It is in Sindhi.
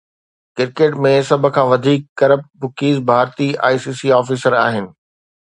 ڪرڪيٽ ۾ سڀ کان وڌيڪ ڪرپٽ بکيز ڀارتي، آءِ سي سي آفيسر آهن